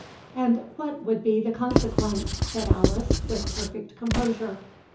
"And what would be the consequence?" said Alice, with perfect composure.